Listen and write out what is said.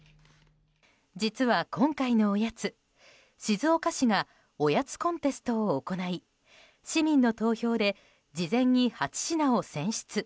実は、今回のおやつ静岡市がおやつコンテストを行い市民の投票で事前に８品を選出。